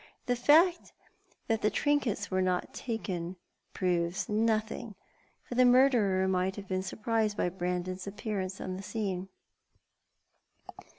The fact that the trinkets were not taken proves nothing, for the murderer may have been surprised by Brandon's appear ance on the scene."